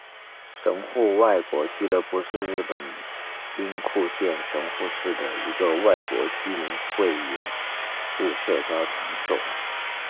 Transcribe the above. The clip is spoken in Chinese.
神户外国俱乐部是日本兵库县神户市的一个外国居民会员制社交场所。